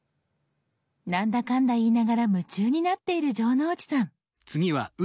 何だかんだ言いながら夢中になっている城之内さん。